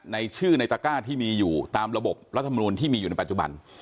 ในชื่อในตะก้าที่มีอยู่ตามระบบรัฐมนูลที่มีอยู่ในปัจจุบัน